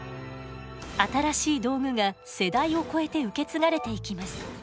新しい道具が世代を超えて受け継がれていきます。